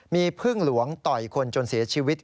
มีพึ่งหลวงต่อยคนจนเสียชีวิต